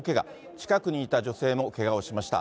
近くにいた女性もけがをしました。